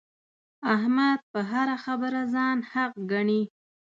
احمد په هره خبره ځان حق ګڼي.